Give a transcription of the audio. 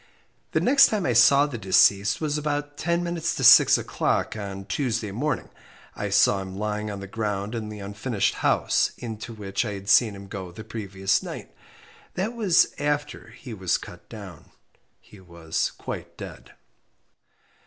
The next time I saw the deceased was about ten minutes to six o'clock on Tuesday morning. I saw him lying on the ground in the unfinished house into which I had seen him go the previous night. That was after he was cut down. He was quite dead.